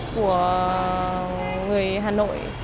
của người hà nội